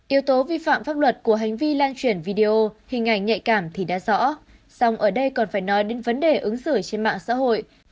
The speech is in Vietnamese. yếu tố vi phạm pháp luật của hành vi lan chuyển video hình ảnh nhạy cảm thì đã rõ xong ở đây còn phải nói đến vấn đề ứng xử trên mạng xã hội